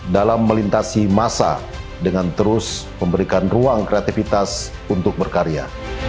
dalam melintasi massa dengan terus memberikan ruang kreativitas untuk berkarya